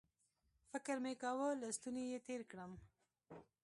فکر مې کاوه له ستوني یې تېر کړم